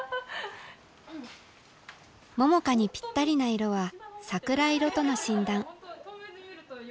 桃佳にぴったりな色は桜色との診断。